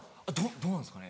どうなんですかね？